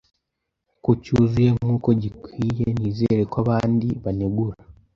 ko cyuzuye nkuko gikwiyeNizere ko abandi banegura